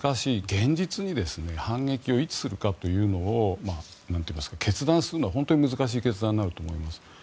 現実に反撃をいつするかというのを決断するのは本当に難しい決断になると思います。